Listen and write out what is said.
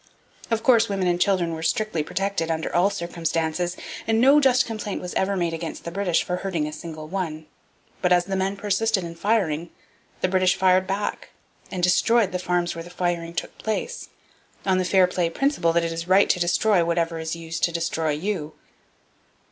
Of course, women and children were strictly protected, under all circumstances, and no just complaint was ever made against the British for hurting a single one. But as the men persisted in firing, the British fired back and destroyed the farms where the firing took place, on the fair play principle that it is right to destroy whatever is used to destroy you.